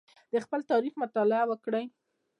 د خپل تاریخ مطالعه وکړئ.